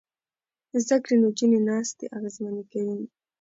زده کړې نجونې ناستې اغېزمنې کوي.